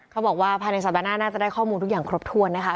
เขาบอกว่าภายในสัปดาห์หน้าน่าจะได้ข้อมูลทุกอย่างครบถ้วนนะคะ